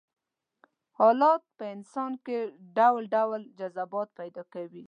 حالات په انسان کې ډول ډول جذبات پيدا کوي.